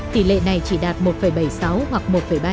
tỷ lệ này chỉ đạt một bảy mươi sáu hoặc một ba mươi chín